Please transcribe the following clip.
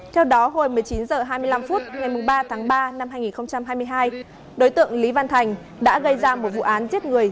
theo đó hồi một mươi chín h hai mươi năm phút ngày ba tháng ba năm hai nghìn hai mươi hai đối tượng lý văn thành đã gây ra một vụ án giết người